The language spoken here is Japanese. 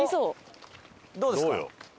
どうですか？